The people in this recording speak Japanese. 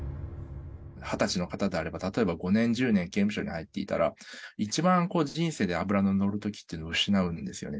２０歳の方であれば、５年、１０年刑務所に入っていたら、一番人生の脂の乗る時期っていうのを失うんですよね。